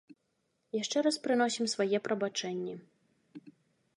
Яшчэ раз прыносім свае прабачэнні.